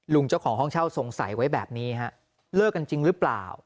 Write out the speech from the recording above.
เจ้าของห้องเช่าสงสัยไว้แบบนี้ฮะเลิกกันจริงหรือเปล่า